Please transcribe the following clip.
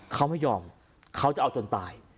เขาไม่ยอมเขาจะเอาจนตาย